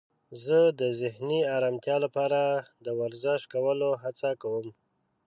زه د ذهني آرامتیا لپاره د ورزش کولو هڅه کوم.